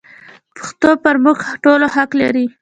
پښتو پر موږ ټولو حق لري.